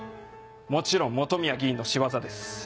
もちろん本宮議員の仕業です。